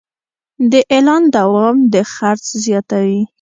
د اعلان دوام د خرڅ زیاتوي.